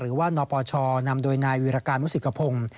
หรือว่านปชนำโดยนายวิรการมุสิกพงศ์